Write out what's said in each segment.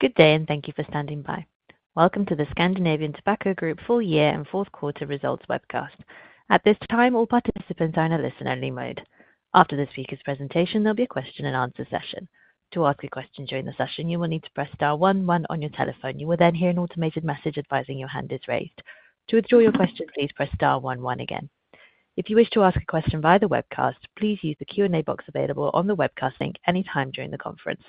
Good day, and thank you for standing by. Welcome to the Scandinavian Tobacco Group full year and fourth quarter results webcast. At this time, all participants are in a listen-only mode. After this speaker's presentation, there'll be a question-and-answer session. To ask a question during the session, you will need to press star one one on your telephone. You will then hear an automated message advising your hand is raised. To withdraw your question, please press star one one again. If you wish to ask a question via the webcast, please use the Q&A box available on the webcast link anytime during the conference.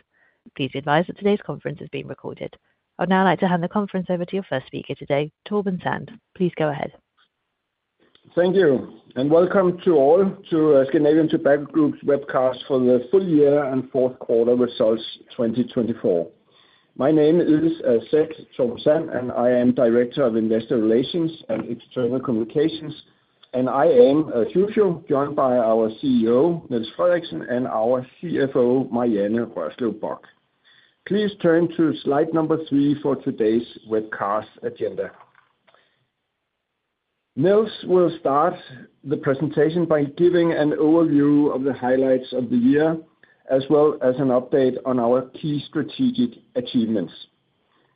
Please be advised that today's conference is being recorded. I'd now like to hand the conference over to your first speaker today, Torben Sand. Please go ahead. Thank you, and welcome to all to Scandinavian Tobacco Group's webcast for the full year and fourth quarter results 2024. My name is, as said, Torben Sand, and I am Director of Investor Relations and External Communications. And I am as usual joined by our CEO, Niels Frederiksen; and our CFO, Marianne Rørslev Bock. Please turn to slide number three for today's webcast agenda. Niels will start the presentation by giving an overview of the highlights of the year, as well as an update on our key strategic achievements.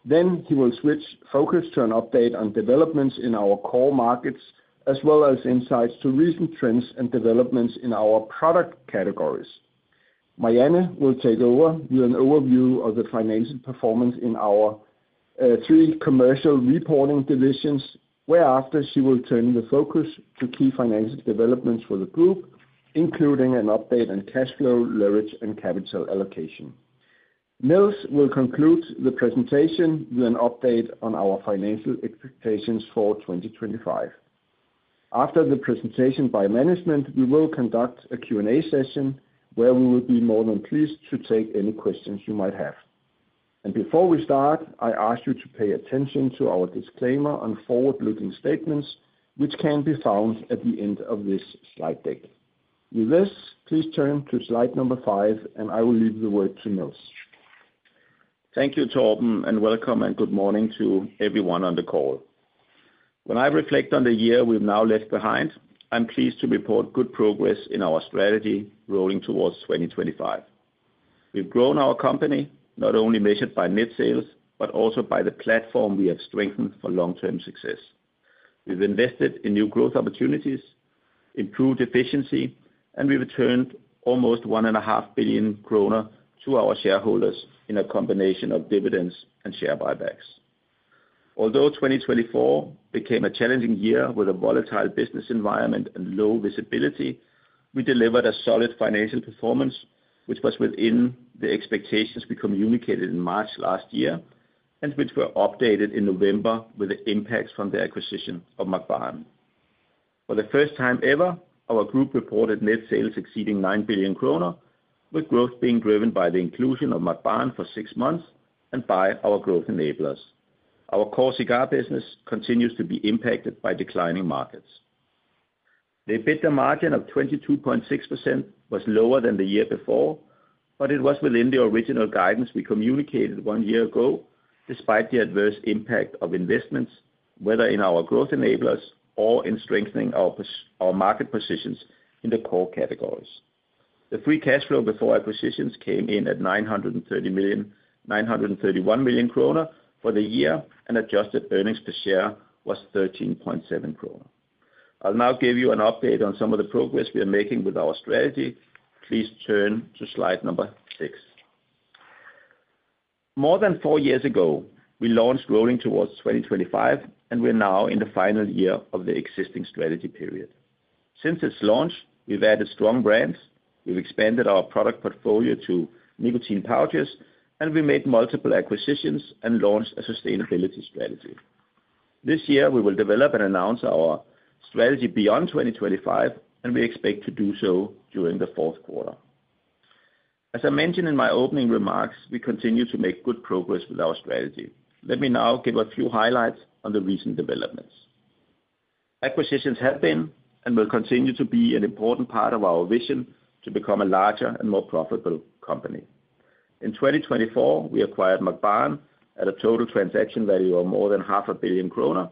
He will switch focus to an update on developments in our core markets, as well as insights to recent trends and developments in our product categories. Marianne will take over with an overview of the financial performance in our three commercial reporting divisions, whereafter she will turn the focus to key financial developments for the group, including an update on cash flow, leverage, and capital allocation. Niels will conclude the presentation with an update on our financial expectations for 2025. After the presentation by management, we will conduct a Q&A session where we will be more than pleased to take any questions you might have. Before we start, I ask you to pay attention to our disclaimer on forward-looking statements, which can be found at the end of this slide deck. With this, please turn to slide number five, and I will leave the word to Niels. Thank you, Torben, and welcome and good morning to everyone on the call. When I reflect on the year we have now left behind, I am pleased to report good progress in our strategy Rolling Towards 2025. We have grown our company, not only measured by net sales but also by the platform we have strengthened for long-term success. We have invested in new growth opportunities, improved efficiency, and we have returned almost 1.5 billion kroner to our shareholders in a combination of dividends and share buybacks. Although 2024 became a challenging year with a volatile business environment and low visibility, we delivered a solid financial performance, which was within the expectations we communicated in March last year and which were updated in November with the impacts from the acquisition of Mac Baren. For the first time ever, our group reported net sales exceeding 9 billion kroner, with growth being driven by the inclusion of Mac Baren for six months and by our growth enablers. Our core cigar business continues to be impacted by declining markets. The EBITDA margin of 22.6% was lower than the year before, but it was within the original guidance we communicated one year ago, despite the adverse impact of investments, whether in our growth enablers or in strengthening our market positions in the core categories. The free cash flow before acquisitions came in at 931 million kroner for the year, and adjusted earnings per share was 13.7 kroner. I'll now give you an update on some of the progress we are making with our strategy. Please turn to slide number six. More than four years ago, we launched Rolling Towards 2025, and we're now in the final year of the existing strategy period. Since its launch, we've added strong brands, we've expanded our product portfolio to nicotine pouches, and we made multiple acquisitions and launched a sustainability strategy. This year, we will develop and announce our strategy beyond 2025, and we expect to do so during the fourth quarter. As I mentioned in my opening remarks, we continue to make good progress with our strategy. Let me now give a few highlights on the recent developments. Acquisitions have been and will continue to be an important part of our vision to become a larger and more profitable company. In 2024, we acquired Mac Baren at a total transaction value of more than 500 million kroner,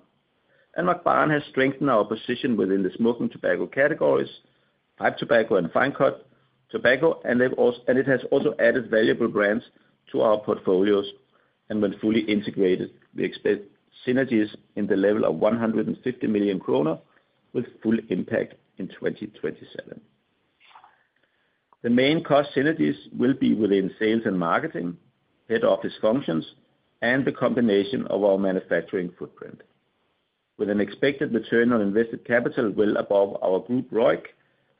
and Mac Baren has strengthened our position within the smoking tobacco categories pipe tobacco and fine-cut tobacco, and it has also added valuable brands to our portfolios. And when fully integrated, we expect synergies in the level of 150 million kroner, with full impact in 2027. The main cost synergies will be within sales and marketing, head office functions, and the combination of our manufacturing footprint. With an expected return on invested capital well above our group ROIC,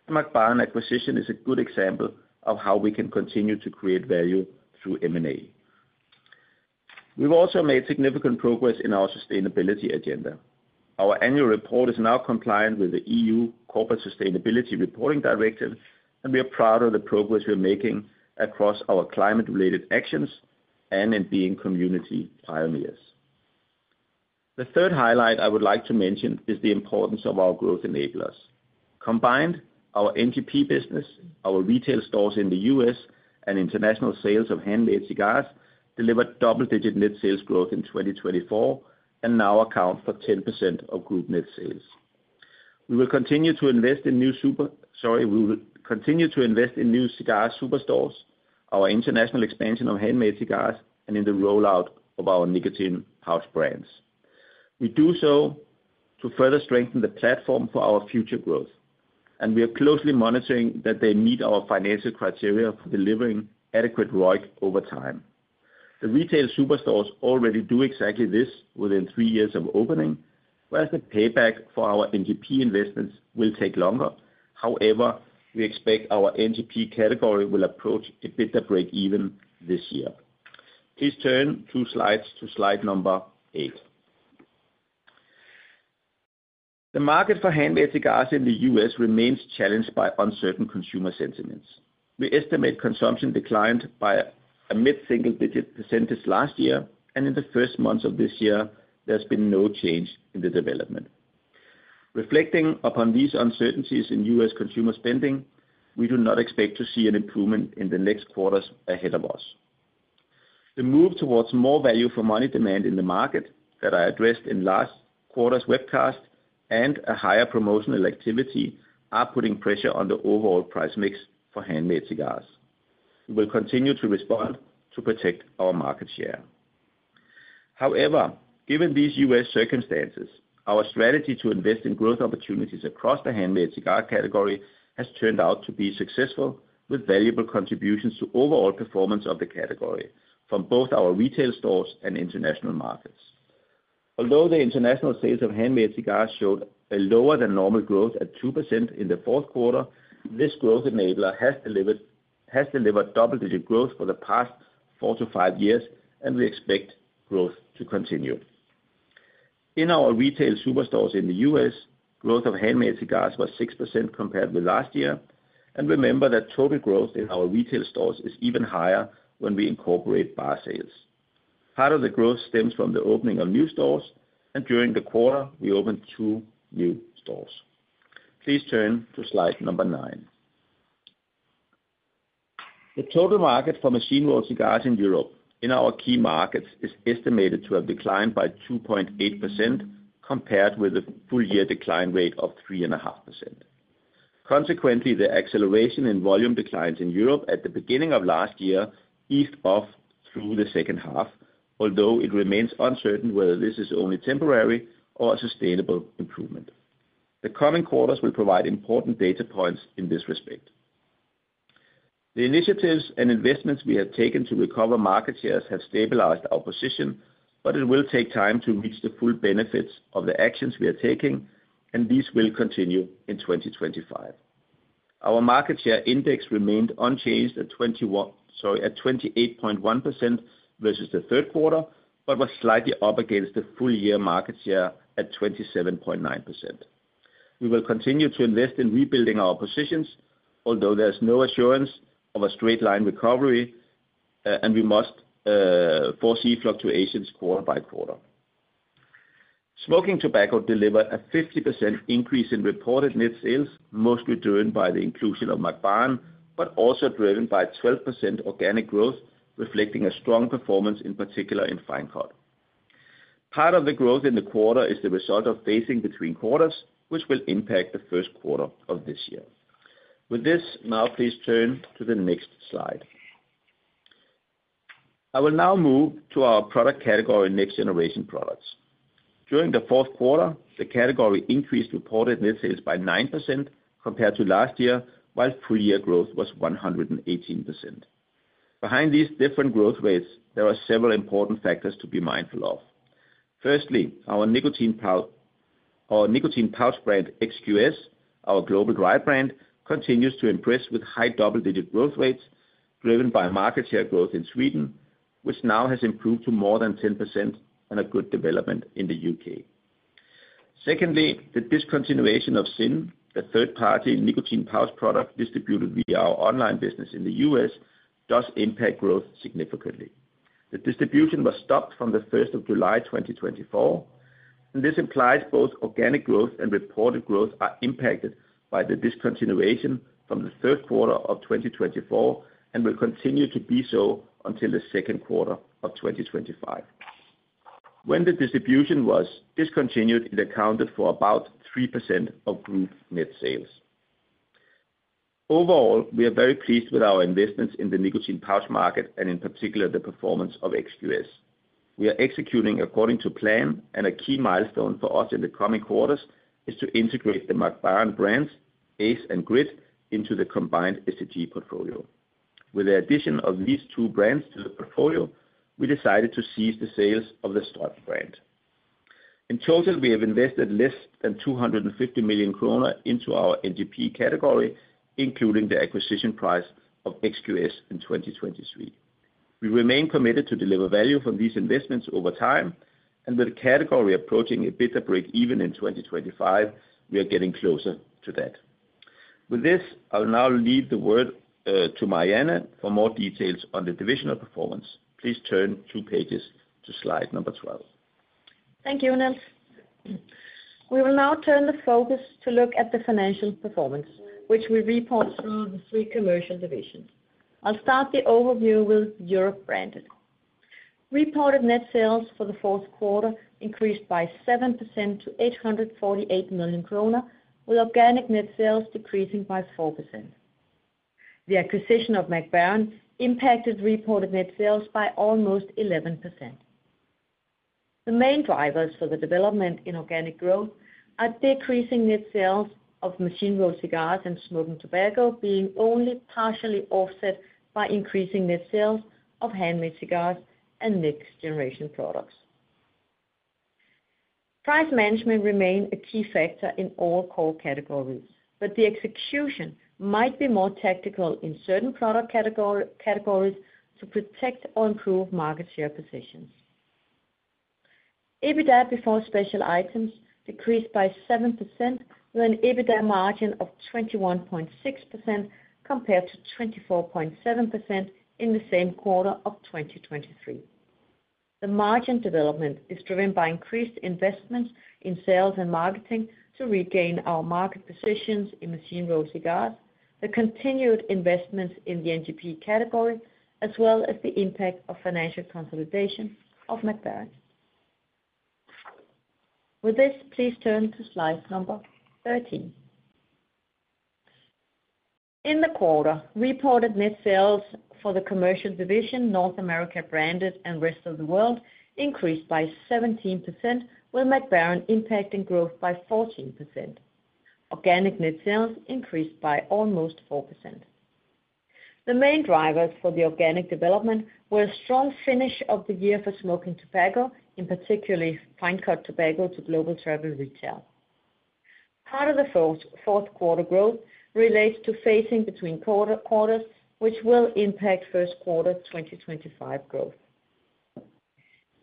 the Mac Baren acquisition is a good example of how we can continue to create value through M&A. We've also made significant progress in our sustainability agenda. Our annual report is now compliant with the EU Corporate Sustainability Reporting Directive, and we are proud of the progress we're making across our climate-related actions and in being community pioneers. The third highlight I would like to mention is the importance of our growth enablers. Combined, our NGP business, our retail stores in the U.S., and international sales of handmade cigars delivered double-digit net sales growth in 2024 and now account for 10% of group net sales. We will continue to invest in new cigar Superstores, our international expansion of handmade cigars, and in the rollout of our nicotine pouch brands. We do so to further strengthen the platform for our future growth, and we are closely monitoring that they meet our financial criteria for delivering adequate ROIC over time. The retail Superstores already do exactly this within three years of opening, whereas the payback for our NGP investments will take longer. However, we expect our NGP category will approach EBITDA breakeven this year. Please turn to slide number eight. The market for handmade cigars in the U.S. remains challenged by uncertain consumer sentiments. We estimate consumption declined by a mid-single-digit percentage last year, and in the first months of this year, there's been no change in the development. Reflecting upon these uncertainties in U.S. consumer spending, we do not expect to see an improvement in the next quarters ahead of us. The move towards more value-for-money demand in the market that I addressed in last quarter's webcast and a higher promotional activity are putting pressure on the overall price mix for handmade cigars. We will continue to respond to protect our market share. However, given these U.S. circumstances, our strategy to invest in growth opportunities across the handmade cigar category has turned out to be successful, with valuable contributions to overall performance of the category from both our retail stores and international markets. Although the international sales of handmade cigars showed a lower-than-normal growth at 2% in the fourth quarter, this growth enabler has delivered double-digit growth for the past four to five years, and we expect growth to continue. In our retail Superstores in the U.S., growth of handmade cigars was 6% compared with last year, and remember that total growth in our retail stores is even higher when we incorporate bar sales. Part of the growth stems from the opening of new stores, and during the quarter, we opened two new stores. Please turn to slide number nine. The total market for machine-rolled cigars in Europe in our key markets is estimated to have declined by 2.8% compared with the full year decline rate of 3.5%. Consequently, the acceleration in volume declines in Europe at the beginning of last year eased off through the second half, although it remains uncertain whether this is only temporary or a sustainable improvement. The coming quarters will provide important data points in this respect. The initiatives and investments we have taken to recover market shares have stabilized our position, but it will take time to reach the full benefits of the actions we are taking, and these will continue in 2025. Our market share index remained unchanged at 28.1% versus the third quarter but was slightly up against the full year market share at 27.9%. We will continue to invest in rebuilding our positions, although there's no assurance of a straight-line recovery, and we must foresee fluctuations quarter by quarter. Smoking tobacco delivered a 50% increase in reported net sales, mostly driven by the inclusion of Mac Baren but also driven by 12% organic growth, reflecting a strong performance, in particular in fine-cut. Part of the growth in the quarter is the result of phasing between quarters, which will impact the first quarter of this year. With this, now please turn to the next slide. I will now move to our product category next-generation products. During the fourth quarter, the category increased reported net sales by 9% compared to last year, while full year growth was 118%. Behind these different growth rates, there are several important factors to be mindful of. Firstly, our nicotine pouch brand XQS, our global-drive brand, continues to impress with high double-digit growth rates driven by market share growth in Sweden, which now has improved to more than 10%, and a good development in the U.K. Secondly, the discontinuation of ZYN, the third-party nicotine pouch product distributed via our online business in the U.S., does impact growth significantly. The distribution was stopped from the 1st of July 2024, and this implies both organic growth and reported growth are impacted by the discontinuation from the third quarter of 2024 and will continue to be so until the second quarter of 2025. When the distribution was discontinued, it accounted for about 3% of group net sales. Overall, we are very pleased with our investments in the nicotine pouch market and in particular the performance of XQS. We are executing according to plan, and a key milestone for us in the coming quarters is to integrate the Mac Baren brands ACE and GRITT into the combined STG portfolio. With the addition of these two brands to the portfolio, we decided to cease the sales of the STRÖM brand. In total, we have invested less than 250 million kroner into our NGP category, including the acquisition price of XQS in 2023. We remain committed to deliver value from these investments over time, and with the category approaching EBITDA breakeven in 2025, we are getting closer to that. With this, I'll now leave the word to Marianne for more details on the divisional performance. Please turn two pages to slide number 12. Thank you, Niels. We will now turn the focus to look at the financial performance, which we report through the three commercial divisions. I'll start the overview with Europe Branded. Reported net sales for the fourth quarter increased by 7% to 848 million kroner, with organic net sales decreasing by 4%. The acquisition of Mac Baren impacted reported net sales by almost 11%. The main drivers for the development in organic growth are decreasing net sales of machine-rolled cigars and smoking tobacco being only partially offset by increasing net sales of handmade cigars and next-generation products. Price management remained a key factor in all core categories, but the execution might be more tactical in certain product categories to protect or improve market share positions. EBITDA before special items decreased by 7%, with an EBITDA margin of 21.6% compared to 24.7% in the same quarter of 2023. The margin development is driven by increased investments in sales and marketing to regain our market positions in machine-rolled cigars, the continued investments in the NGP category, as well as the impact of financial consolidation of Mac Baren. With this, please turn to slide number 13. In the quarter, reported net sales for the commercial division, North America branded and rest of the world, increased by 17%, with Mac Baren impacting growth by 14%. Organic net sales increased by almost 4%. The main drivers for the organic development were a strong finish of the year for smoking tobacco, in particularly fine-cut tobacco to Global Travel Retail. Part of the fourth quarter growth relates to phasing between quarters, which will impact first quarter 2025 growth.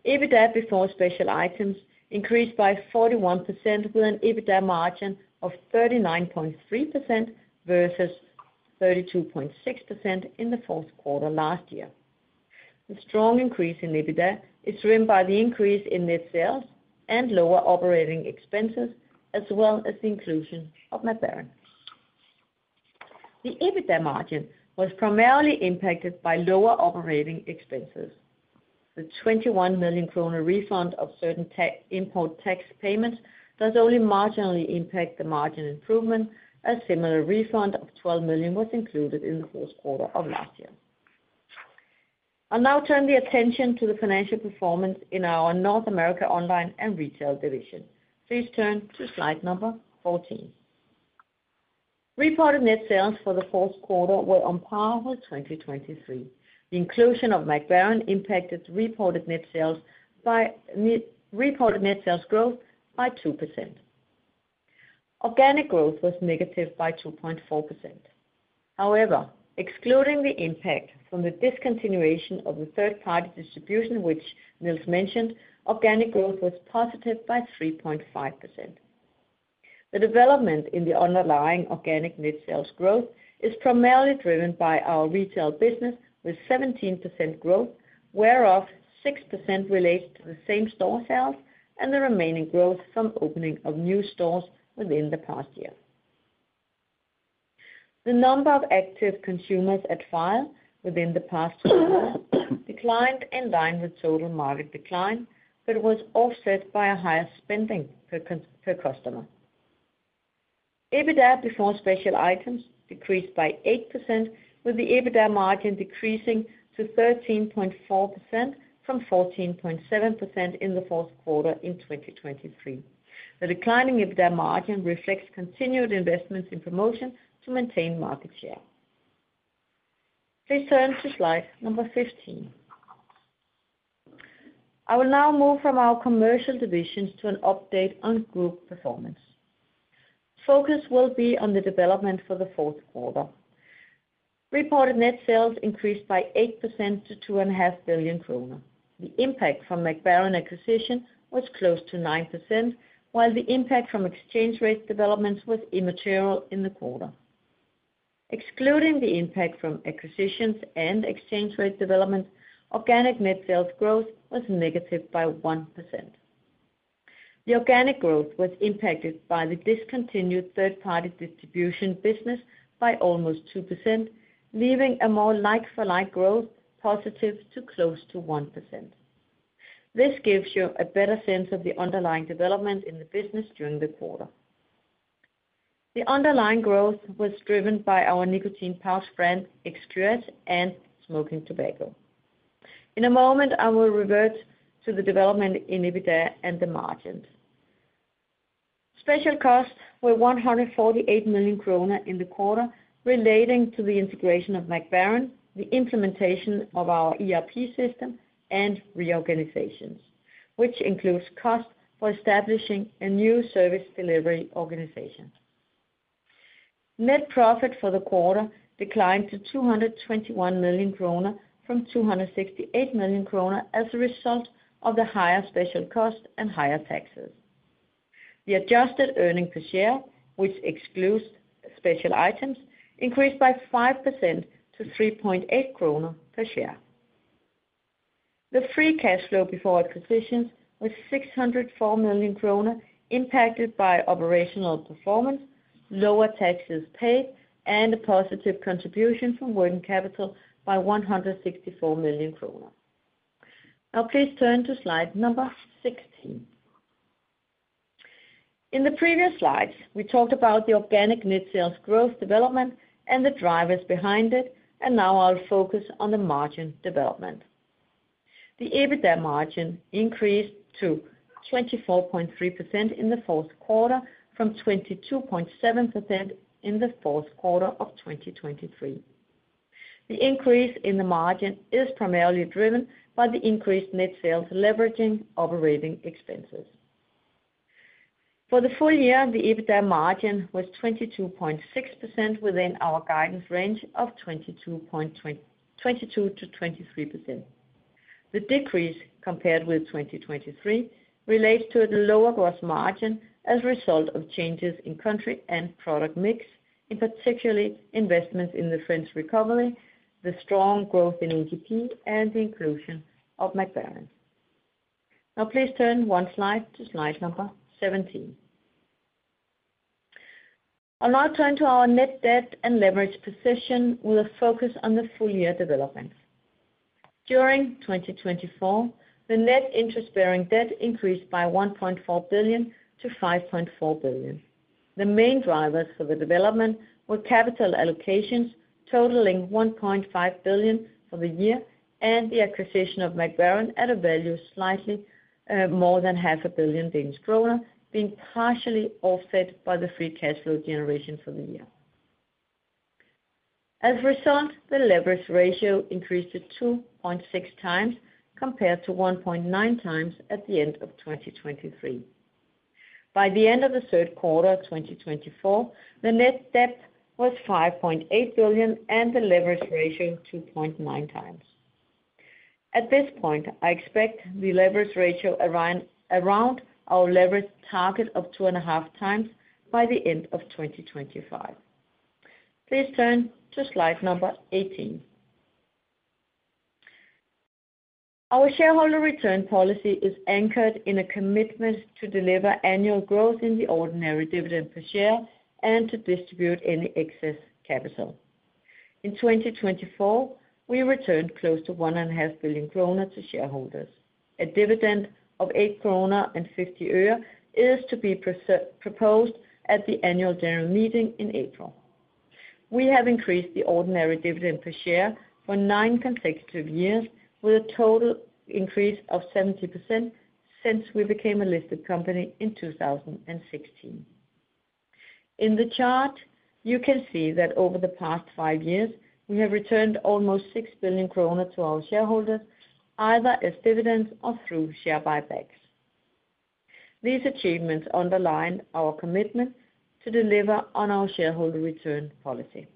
EBITDA before special items increased by 41%, with an EBITDA margin of 39.3% versus 32.6% in the fourth quarter last year. The strong increase in EBITDA is driven by the increase in net sales and lower operating expenses, as well as the inclusion of Mac Baren. The EBITDA margin was primarily impacted by lower operating expenses. The 21 million kroner refund of certain import tax payments does only marginally impact the margin improvement, as a similar refund of 12 million was included in the fourth quarter of last year. I'll now turn the attention to the financial performance in our North America Online & Retail division. Please turn to slide number 14. Reported net sales for the fourth quarter were on par with 2023. The inclusion of Mac Baren impacted reported net sales growth by 2%. Organic growth was negative by 2.4%. However, excluding the impact from the discontinuation of the third-party distribution which Niels mentioned, organic growth was positive by 3.5%. The development in the underlying organic net sales growth is primarily driven by our retail business with 17% growth, whereof 6% relates to the same-store sales and the remaining growth from opening of new stores within the past year. The number of active consumers at file within the past declined in line with total market decline but was offset by a higher spending per customer. EBITDA before special items decreased by 8%, with the EBITDA margin decreasing to 13.4% from 14.7% in the fourth quarter in 2023. The declining EBITDA margin reflects continued investments in promotion to maintain market share. Please turn to slide number 15. I will now move from our commercial divisions to an update on group performance. Focus will be on the development for the fourth quarter. Reported net sales increased by 8% to 2.5 billion kroner. The impact from Mac Baren acquisition was close to 9%, while the impact from exchange rate developments was immaterial in the quarter. Excluding the impact from acquisitions and exchange rate developments, organic net sales growth was negative by 1%. The organic growth was impacted by the discontinued third-party distribution business by almost 2%, leaving a more like-for-like growth positive to close to 1%. This gives you a better sense of the underlying development in the business during the quarter. The underlying growth was driven by our nicotine pouch brand XQS and smoking tobacco. In a moment, I will revert to the development in EBITDA and the margins. Special costs were 148 million kroner in the quarter, relating to the integration of Mac Baren, the implementation of our ERP system, and reorganizations, which includes costs for establishing a new service delivery organization. Net profit for the quarter declined to 221 million kroner from 268 million kroner as a result of the higher special costs and higher taxes. The adjusted earnings per share, which excludes special items, increased by 5% to 3.8 kroner per share. The free cash flow before acquisitions was 604 million kroner, impacted by operational performance, lower taxes paid, and a positive contribution from working capital by 164 million kroner. Now, please turn to slide number 16. In the previous slides, we talked about the organic net sales growth development and the drivers behind it, and now I'll focus on the margin development. The EBITDA margin increased to 24.3% in the fourth quarter from 22.7% in the fourth quarter of 2023. The increase in the margin is primarily driven by the increased net sales leveraging operating expenses. For the full year, the EBITDA margin was 22.6%, within our guidance range of 22%-23%. The decrease compared with 2023 relates to a lower gross margin as a result of changes in country and product mix, in particular investments in the French recovery, the strong growth in NGP, and the inclusion of Mac Baren. Now, please turn one slide to slide number 17. I'll now turn to our net debt and leverage position with a focus on the full year development. During 2024, the net interest-bearing debt increased by 1.4 billion to 5.4 billion. The main drivers for the development were capital allocations totaling 1.5 billion for the year and the acquisition of Mac Baren at a value slightly more than 500 million Danish kroner being partially offset by the free cash flow generation for the year. As a result, the leverage ratio increased to 2.6x compared to 1.9x at the end of 2023. By the end of the third quarter of 2024, the net debt was 5.8 billion and the leverage ratio 2.9x. At this point, I expect the leverage ratio around our leverage target of 2.5x by the end of 2025. Please turn to slide number 18. Our shareholder return policy is anchored in a commitment to deliver annual growth in the ordinary dividend per share and to distribute any excess capital. In 2024, we returned close to 1.5 billion kroner to shareholders. A dividend of 8.50 kroner is to be proposed at the annual general meeting in April. We have increased the ordinary dividend per share for nine consecutive years, with a total increase of 70% since we became a listed company in 2016. In the chart, you can see that over the past five years, we have returned almost 6 billion kroner to our shareholders, either as dividends or through share buybacks. These achievements underline our commitment to deliver on our shareholder return policy.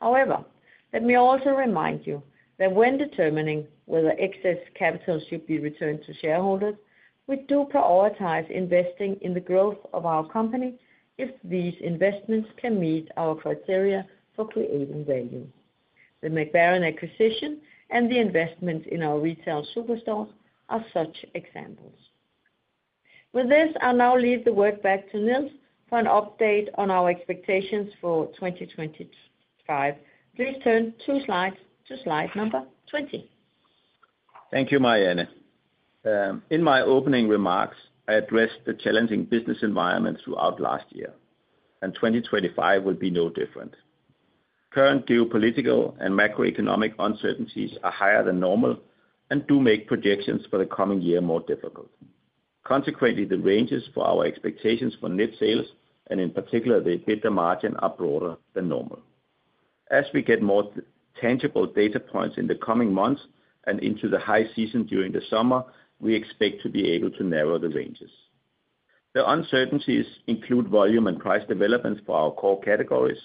However, let me also remind you that when determining whether excess capital should be returned to shareholders, we do prioritize investing in the growth of our company if these investments can meet our criteria for creating value. The Mac Baren acquisition and the investments in our retail Superstores are such examples. With this, I'll now leave the work back to Niels for an update on our expectations for 2025. Please turn two slides to slide number 20. Thank you, Marianne. In my opening remarks, I addressed the challenging business environment throughout last year, and 2025 will be no different. Current geopolitical and macroeconomic uncertainties are higher than normal and do make projections for the coming year more difficult. Consequently, the ranges for our expectations for net sales and, in particular, the EBITDA margin are broader than normal. As we get more tangible data points in the coming months and into the high season during the summer, we expect to be able to narrow the ranges. The uncertainties include volume and price developments for our core categories,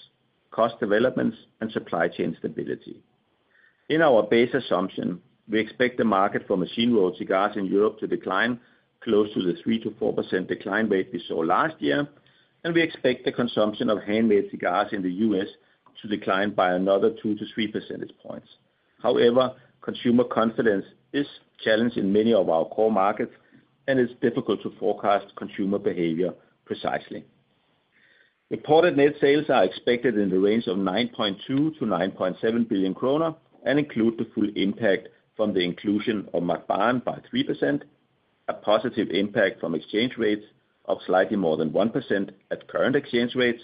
cost developments, and supply chain stability. In our base assumption, we expect the market for machine-rolled cigars in Europe to decline close to the 3%-4% decline rate we saw last year, and we expect the consumption of handmade cigars in the U.S .to decline by another 2-3 percentage points. However, consumer confidence is challenged in many of our core markets, and it's difficult to forecast consumer behavior precisely. Reported net sales are expected in the range of 9.2 billion-9.7 billion kroner and include the full impact from the inclusion of Mac Baren by 3%, a positive impact from exchange rates of slightly more than 1% at current exchange rates,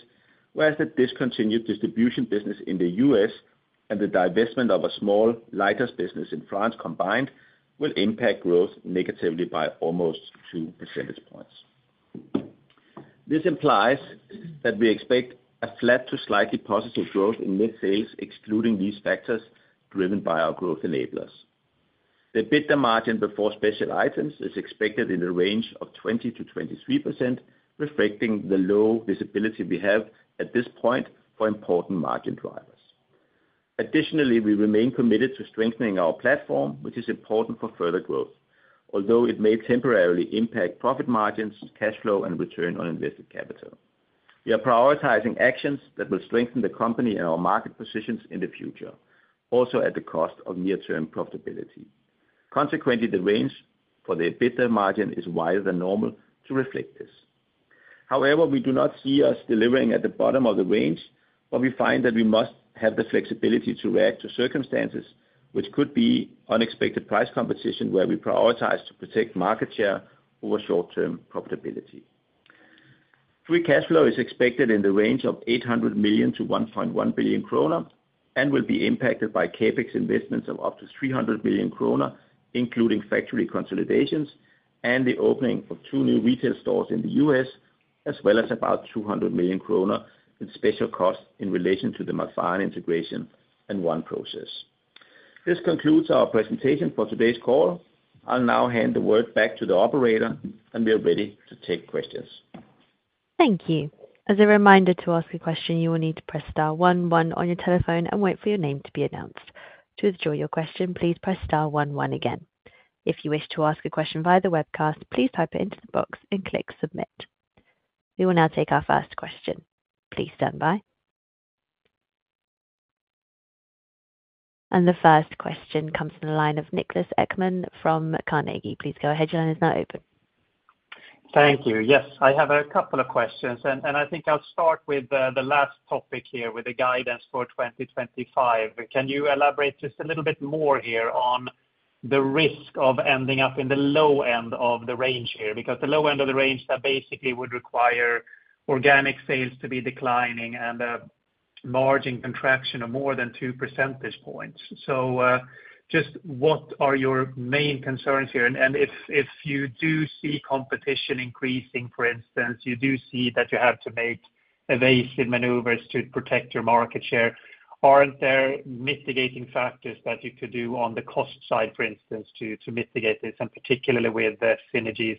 whereas the discontinued distribution business in the U.S. and the divestment of a small lighters business in France combined will impact growth negatively by almost 2 percentage points. This implies that we expect a flat to slightly positive growth in net sales, excluding these factors, driven by our growth enablers. The EBITDA margin before special items is expected in the range of 20%-23%, reflecting the low visibility we have at this point for important margin drivers. Additionally, we remain committed to strengthening our platform, which is important for further growth, although it may temporarily impact profit margins, cash flow, and return on invested capital. We are prioritizing actions that will strengthen the company and our market positions in the future, also at the cost of near-term profitability. Consequently, the range for the EBITDA margin is wider than normal to reflect this. However, we do not see us delivering at the bottom of the range, but we find that we must have the flexibility to react to circumstances, which could be unexpected price competition, where we prioritize to protect market share over short-term profitability. Free cash flow is expected in the range of 800 million-1.1 billion kroner and will be impacted by CapEx investments of up to 300 million kroner, including factory consolidations and the opening of two new retail stores in the U.S., as well as about 200 million kroner in special costs in relation to the Mac Baren integration and OneProcess. This concludes our presentation for today's call. I'll now hand the word back to the operator, and we are ready to take questions. Thank you. As a reminder, to ask a question, you will need to press star one one on your telephone and wait for your name to be announced. To withdraw your question, please press star one one again. If you wish to ask a question via the webcast, please type it into the box and click submit. We will now take our first question. Please stand by. The first question comes from the line of Niklas Ekman from Carnegie. Please go ahead. Your line is now open. Thank you. Yes, I have a couple of questions, and I think I'll start with the last topic here with the guidance for 2025. Can you elaborate just a little bit more here on the risk of ending up in the low end of the range here? Because the low end of the range basically would require organic sales to be declining and a margin contraction of more than 2 percentage points. Just what are your main concerns here? If you do see competition increasing, for instance, you do see that you have to make evasive maneuvers to protect your market share, aren't there mitigating factors that you could do on the cost side, for instance, to mitigate this, and particularly with the synergies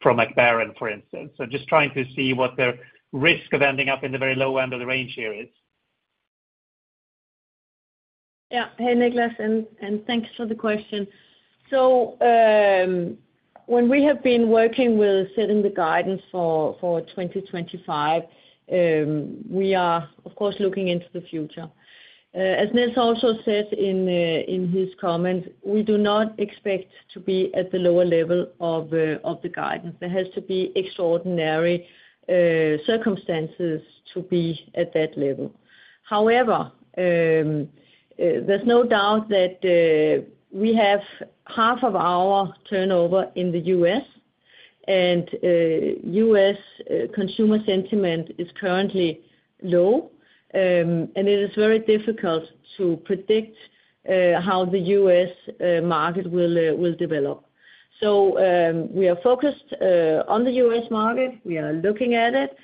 from Mac Baren, for instance? Just trying to see what the risk of ending up in the very low end of the range here is. Yeah. Hey, Niklas, and thanks for the question. When we have been working with setting the guidance for 2025, we are, of course, looking into the future. As Niels also said in his comments, we do not expect to be at the lower level of the guidance. There has to be extraordinary circumstances to be at that level. However, there is no doubt that we have half of our turnover in the U.S., and U.S. consumer sentiment is currently low, and it is very difficult to predict how the U.S. market will develop. We are focused on the U.S. market. We are looking at it,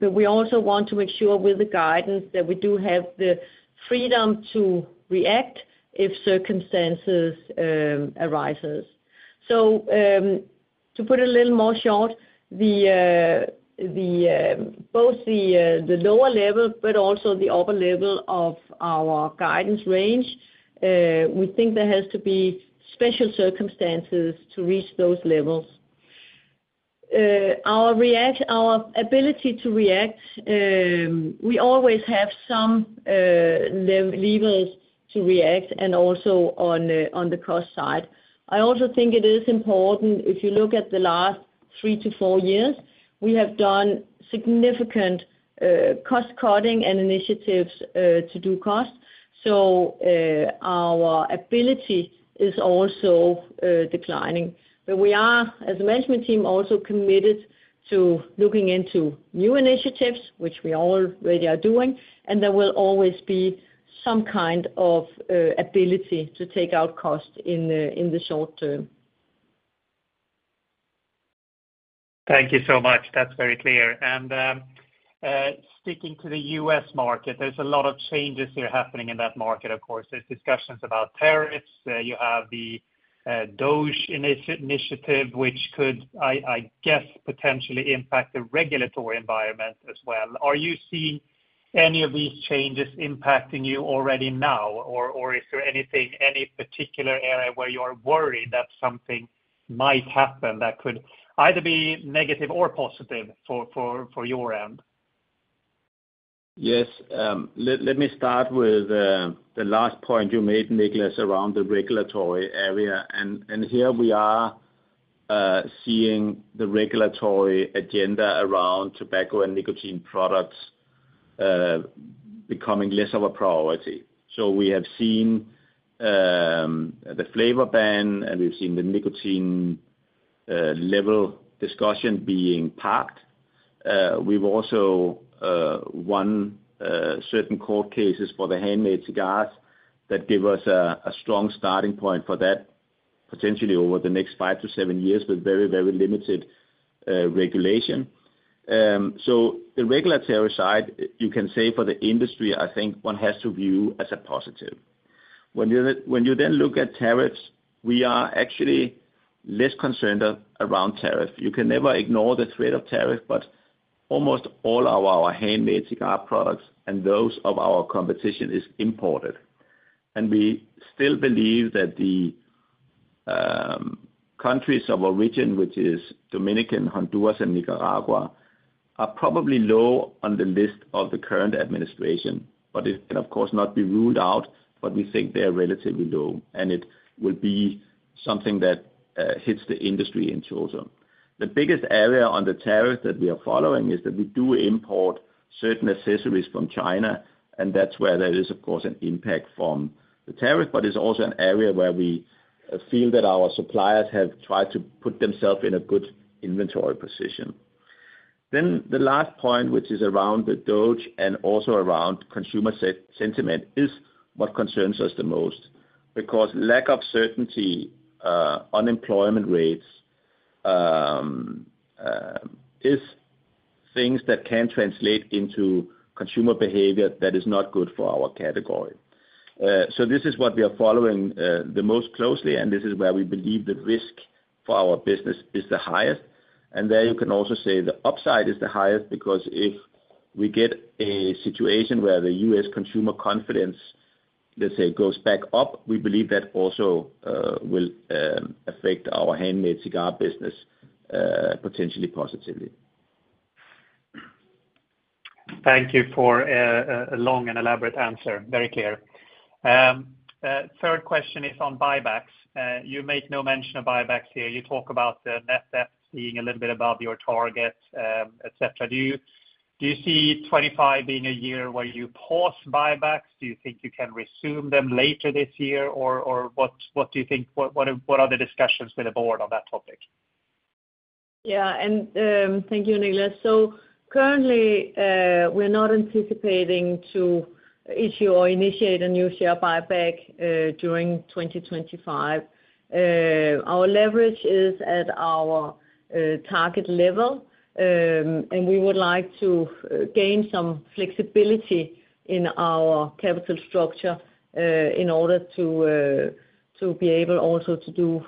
but we also want to make sure with the guidance that we do have the freedom to react if circumstances arise. To put it a little more short, both the lower level but also the upper level of our guidance range, we think there has to be special circumstances to reach those levels. Our ability to react, we always have some levers to react and also on the cost side. I also think it is important, if you look at the last three-four years, we have done significant cost cutting and initiatives to do cost. Our ability is also declining. We are, as a management team, also committed to looking into new initiatives, which we already are doing, and there will always be some kind of ability to take out cost in the short term. Thank you so much. That is very clear. Speaking to the U.S. market, there is a lot of changes happening in that market, of course. There are discussions about tariffs. You have the DOGE initiative, which could, I guess, potentially impact the regulatory environment as well. Are you seeing any of these changes impacting you already now? Or is there anything, any particular area where you are worried that something might happen that could either be negative or positive for your end? Yes. Let me start with the last point you made, Niklas, around the regulatory area. Here we are seeing the regulatory agenda around tobacco and nicotine products becoming less of a priority. We have seen the flavor ban, and we have seen the nicotine level discussion being parked. We have also won certain court cases for the handmade cigars that give us a strong starting point for that potentially over the next five-seven years, with very, very limited regulation. The regulatory side, you can say, for the industry, I think one has to view as a positive. When you then look at tariffs, we are actually less concerned around tariff. You can never ignore the threat of tariff, but almost all of our handmade cigar products and those of our competition are imported. We still believe that the countries of our region, which are Dominican Republic, Honduras, and Nicaragua, are probably low on the list of the current administration, but it can, of course, not be ruled out. We think they are relatively low, and it will be something that hits the industry in short term. The biggest area on the tariffs that we are following is that we do import certain accessories from China, and that is where there is, of course, an impact from the tariff, but it is also an area where we feel that our suppliers have tried to put themselves in a good inventory position. The last point, which is around the DOGE initiative and also around consumer sentiment, is what concerns us the most because lack of certainty and unemployment rates are things that can translate into consumer behavior that is not good for our category. This is what we are following the most closely, and this is where we believe the risk for our business is the highest. There you can also say the upside is the highest because if we get a situation where the U.S. consumer confidence, let's say, goes back up, we believe that also will affect our handmade cigar business potentially positively. Thank you for a long and elaborate answer. Very clear. Third question is on buybacks. You make no mention of buybacks here. You talk about the net debt being a little bit above your target, etc. Do you see 2025 being a year where you pause buybacks? Do you think you can resume them later this year? What do you think? What are the discussions with the board on that topic? Yeah. Thank you, Niklas. Currently, we're not anticipating to issue or initiate a new share buyback during 2025. Our leverage is at our target level, and we would like to gain some flexibility in our capital structure in order to be able also to do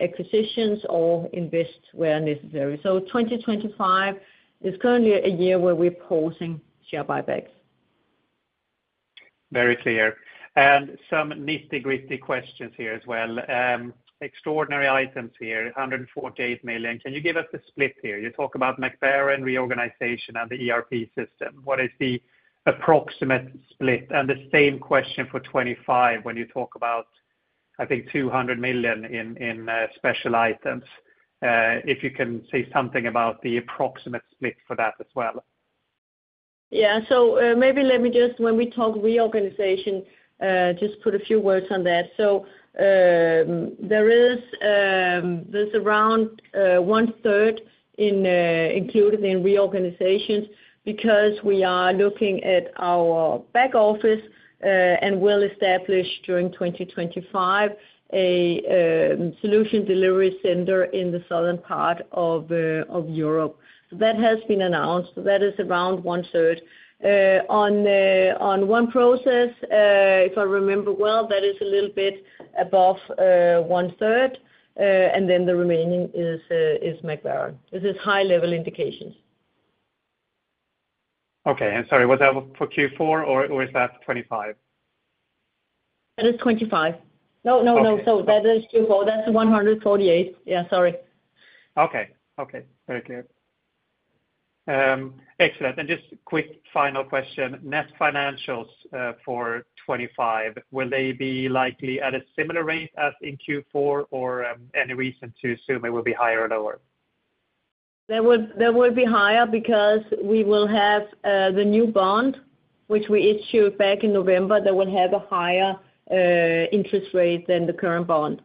acquisitions or invest where necessary. 2025 is currently a year where we're pausing share buybacks. Very clear. Some nitty-gritty questions here as well. Extraordinary items here, 148 million. Can you give us the split here? You talk about Mac Baren, reorganization and the ERP system. What is the approximate split? The same question for 2025 when you talk about, I think, 200 million in special items. If you can say something about the approximate split for that as well. Yeah. Maybe let me just, when we talk reorganization, just put a few words on that. There is around 1/3 included in reorganizations because we are looking at our back office and will establish during 2025 a solution delivery center in the southern part of Europe. That has been announced. That is around 1/3. On OneProcess, if I remember well, that is a little bit above 1/3, and then the remaining is Mac Baren. This is high-level indications. Okay. Sorry, was that for Q4, or is that for 2025? That is 2025. No, no, no. That is Q4. That is 148 million, yeah. Sorry. Okay. Okay. Very clear. Excellent. Just quick final question. Net financials for 2025, will they be likely at a similar rate as in Q4? Or any reason to assume it will be higher or lower? They will be higher because we will have the new bond which we issued back in November that will have a higher interest rate than the current bond.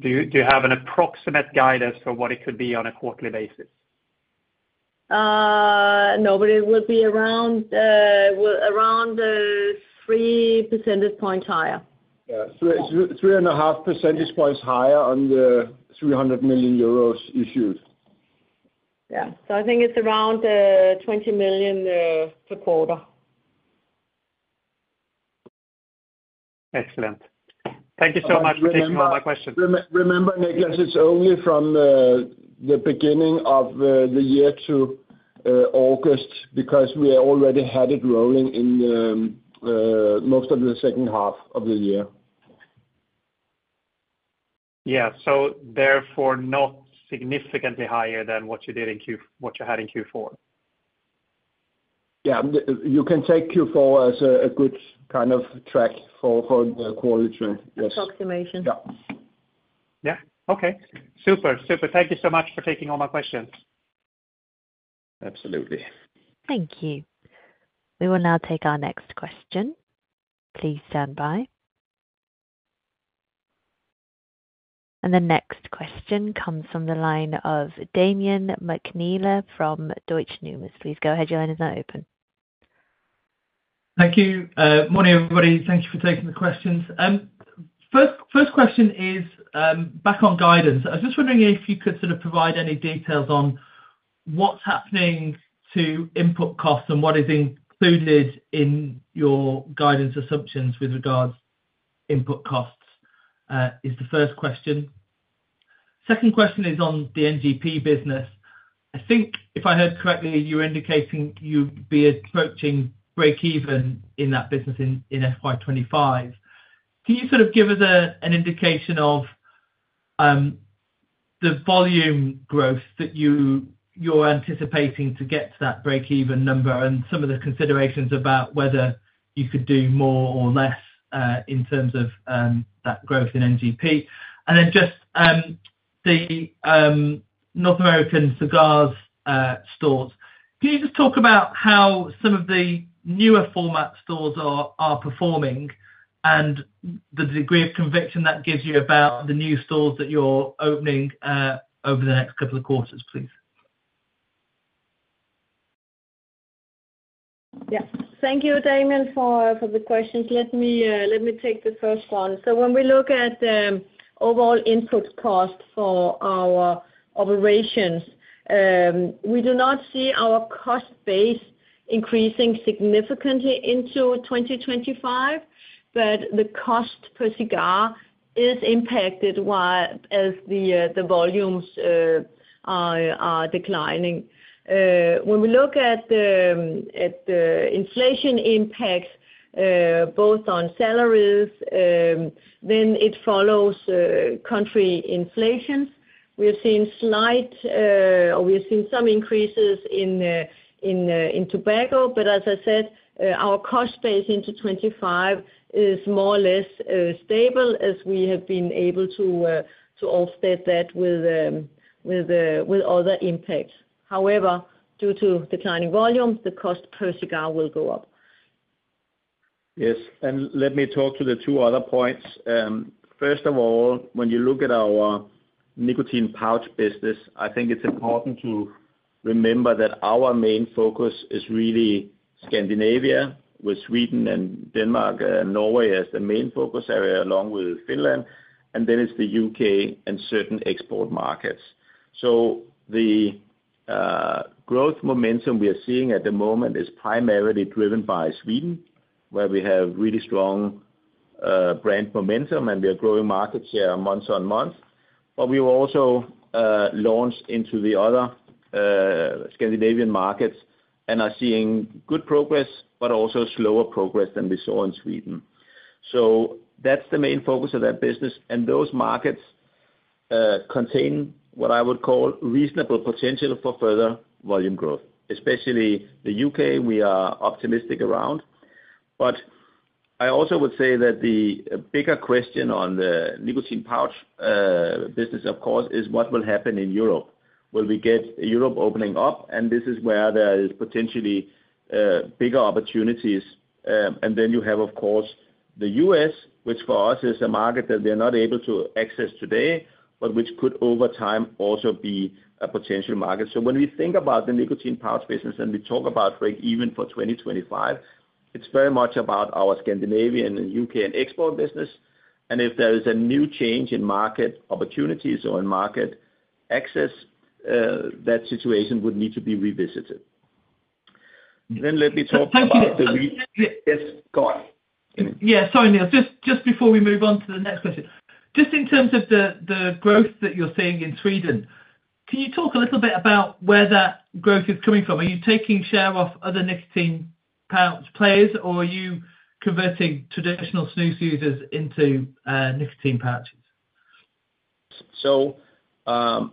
Do you have an approximate guidance for what it could be on a quarterly basis? No, but it will be around 3 percentage points higher. Yeah. 3.5 percentage points higher on the 300 million euros issued. Yeah. I think it's around 20 million per quarter. Excellent. Thank you so much for taking all my questions. Remember, Niklas, it's only from the beginning of the year to August because we already had it rolling in most of the second half of the year. Yeah, so therefore not significantly higher than what you had in Q4. Yeah. You can take Q4 as a good kind of track for quarterly trend, yes. Approximation. Yeah. Yeah. Okay. Super. Super. Thank you so much for taking all my questions. Absolutely. Thank you. We will now take our next question. Please stand by. The next question comes from the line of Damian McNeela from Deutsche Numis. Please go ahead. Your line is now open. Thank you. Morning, everybody. Thank you for taking the questions. First question is back on guidance. I was just wondering if you could sort of provide any details on what's happening to input costs and what is included in your guidance assumptions with regards to input costs is the first question. Second question is on the NGP business. I think if I heard correctly, you were indicating you'd be approaching breakeven in that business in FY 2025. Can you sort of give us an indication of the volume growth that you're anticipating to get to that break-even number and some of the considerations about whether you could do more or less in terms of that growth in NGP? Just the North American cigars stores, can you just talk about how some of the newer-format stores are performing and the degree of conviction that gives you about the new stores that you're opening over the next couple of quarters, please? Yeah. Thank you, Damian, for the questions. Let me take the first one. When we look at the overall input cost for our operations, we do not see our cost base increasing significantly into 2025, but the cost per cigar is impacted as the volumes are declining. When we look at the inflation impacts both on salaries, then it follows country inflations. We have seen slight or we have seen some increases in tobacco, but as I said, our cost base into 2025 is more or less stable as we have been able to offset that with other impacts. However, due to declining volumes, the cost per cigar will go up. Yes. Let me talk to the two other points. First of all, when you look at our nicotine pouch business, I think it's important to remember that our main focus is really Scandinavia, with Sweden and Denmark and Norway as the main focus area, along with Finland, and then it's the U.K. and certain export markets. The growth momentum we are seeing at the moment is primarily driven by Sweden, where we have really strong brand momentum, and we are growing markets here month-on-month. We also launched into the other Scandinavian markets and are seeing good progress but also slower progress than we saw in Sweden. That is the main focus of that business. Those markets contain what I would call reasonable potential for further volume growth. Especially, the U.K., we are optimistic around. I also would say that the bigger question on the nicotine pouch business, of course, is what will happen in Europe. Will we get Europe opening up? This is where there are potentially bigger opportunities. You have, of course, the U.S., which for us is a market that we are not able to access today, but which could over time also be a potential market. When we think about the nicotine pouch business and we talk about breakeven for 2025, it's very much about our Scandinavian and U.K. and export business. If there is a new change in market opportunities or in market access, that situation would need to be revisited. Let me talk about the yes. Go on. Yeah. Sorry, Niels. Just before we move on to the next question, just in terms of the growth that you're seeing in Sweden, can you talk a little bit about where that growth is coming from? Are you taking share off other nicotine pouch players, or are you converting traditional snus users into nicotine pouches?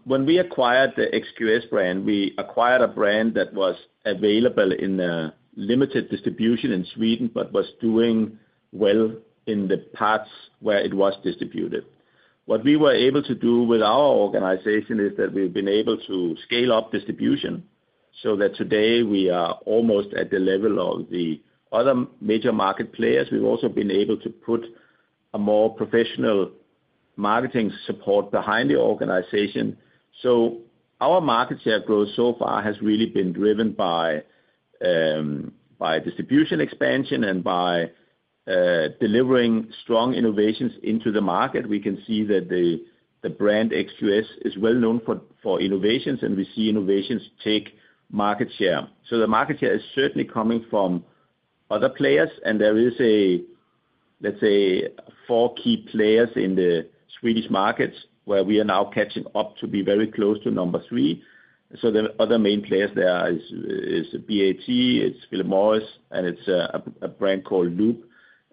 When we acquired the XQS brand, we acquired a brand that was available in limited distribution in Sweden but was doing well in the parts where it was distributed. What we were able to do with our organization is that we've been able to scale up distribution so that today we are almost at the level of the other major market players. We've also been able to put a more professional marketing support behind the organization. Our market share growth so far has really been driven by distribution expansion and by delivering strong innovations into the market. We can see that the brand XQS is well known for innovations, and we see innovations take market share. The market share is certainly coming from other players, and there is, let's say, four key players in the Swedish markets, where we are now catching up to be very close to number three. The other main players there are BAT. It's Philip Morris. And it's a brand called LOOP.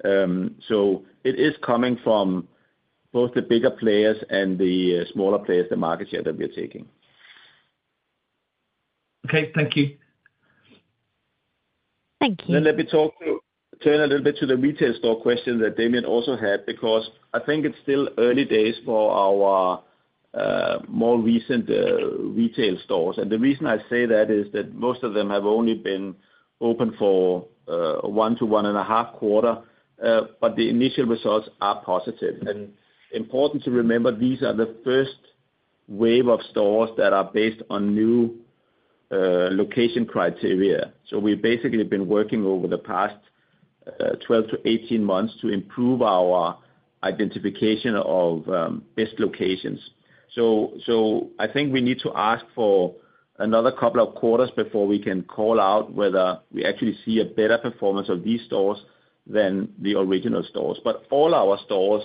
It is coming from both the bigger players and the smaller players, the market share that we are taking. Okay. Thank you. Thank you. Let me turn a little bit to the retail store question that Damian also had because I think it's still early days for our more recent retail stores. The reason I say that is that most of them have only been open for one to one-and-a-half quarter, but the initial results are positive. It is important to remember these are the first wave of stores that are based on new location criteria. We have basically been working over the past 12 to 18 months to improve our identification of best locations. I think we need to ask for another couple of quarters before we can call out whether we actually see a better performance of these stores than the original stores. All our stores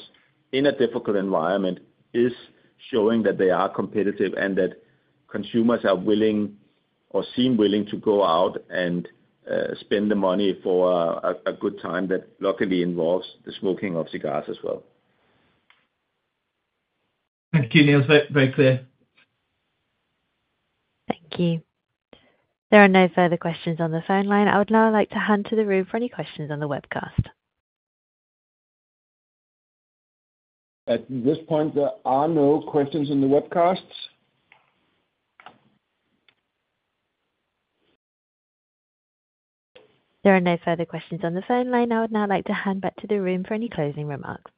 in a difficult environment are showing that they are competitive and that consumers are willing or seem willing to go out and spend the money for a good time that, luckily, involves the smoking of cigars as well. Thank you, Niels. Very clear. Thank you. There are no further questions on the phone line. I would now like to hand to the room for any questions on the webcast. At this point, there are no questions on the webcast. There are no further questions on the phone line. I would now like to hand back to the room for any closing remarks.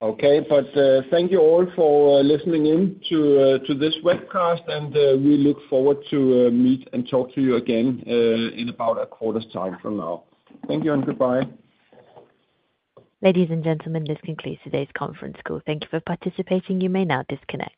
Thank you all for listening in to this webcast, and we look forward to meeting and talking to you again in about a quarter's time from now. Thank you and goodbye. Ladies and gentlemen, this concludes today's conference call. Thank you for participating. You may now disconnect.